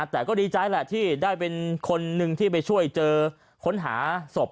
แต่ก็ดีใจแหละที่ได้เป็นคนหนึ่งที่ไปช่วยเจอค้นหาศพ